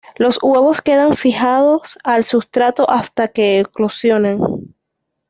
Los huevos quedan fijados al sustrato hasta que eclosionan.